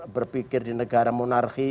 berpikir di negara monarki